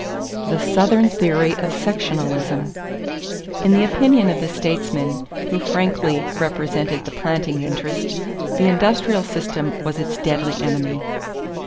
=The Southern Theory of Sectionalism.= In the opinion of the statesmen who frankly represented the planting interest, the industrial system was its deadly enemy.